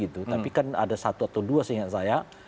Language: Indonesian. tapi kan ada satu atau dua seingat saya